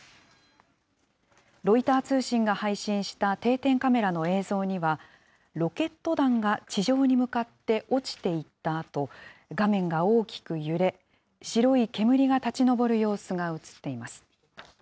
ロイター通信が配信した定点カメラの映像には、ロケット弾が地上に向かって落ちていったあと、画面が大きく揺れ、白い煙が立ち上る様子が写っています。